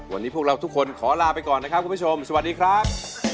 วันนี้พวกเราทุกคนขอลาไปก่อนนะครับคุณผู้ชมสวัสดีครับ